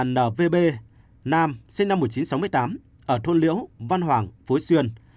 lvb nam sinh năm một nghìn chín trăm sáu mươi tám ở thuận liễu văn hoàng phúi xuyên